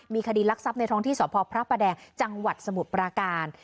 มีคดีรักทรัพย์ในท้องที่สพพระประแดงจังหวัดสมุทรปราการ